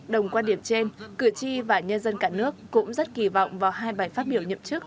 đồng quan điểm trên cử tri và nhân dân cả nước cũng rất kỳ vọng vào hai bài phát biểu nhậm chức